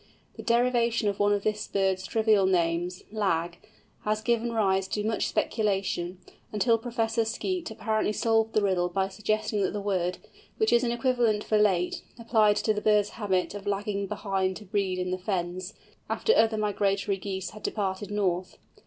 The derivation of one of this bird's trivial names—Lag—has given rise to much speculation, until Professor Skeat apparently solved the riddle by suggesting that the word—which is an equivalent for late—applied to the bird's habit of lagging behind to breed in the Fens, after other migratory Geese had departed north.